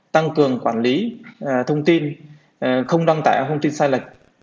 tăng cường quản lý thông tin không đăng tải thông tin sai lệch